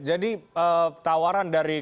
jadi tawaran dari